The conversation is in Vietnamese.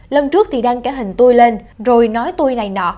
lần trước thì đăng cả hình tôi lên rồi nói tôi này nọ